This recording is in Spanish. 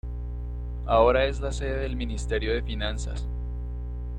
Ahora es la sede del Ministerio de Finanzas.